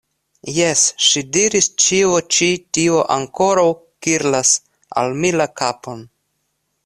Jes, ŝi diris, ĉio ĉi tio ankoraŭ kirlas al mi la kapon.